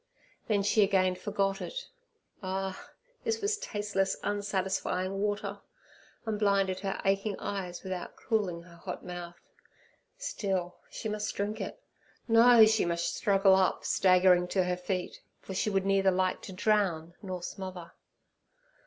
Then she again forgot it. Ah! this was tasteless, unsatisfying water, and blinded her aching eyes without cooling her hot mouth; still, she must drink it. No, she must struggle up—staggering to her feet—for she would neither like to drown nor smother.